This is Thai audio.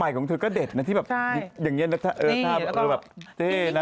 ไม่ต้องฝึกหน็มมากจะถามทุกคน